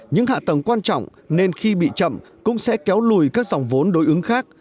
những hạ tầng quan trọng nên khi bị chậm cũng sẽ kéo lùi các dòng vốn đối ứng khác